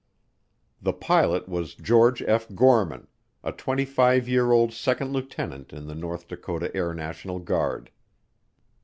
The pilot was George F. Gorman, a twenty five year old second lieutenant in the North Dakota Air National Guard.